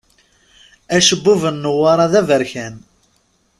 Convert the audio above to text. Acebbub n Newwara d aberkan.